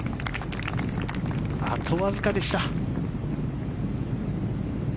あとわずかでした。